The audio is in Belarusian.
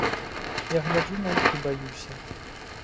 Я гляджу на іх і баюся.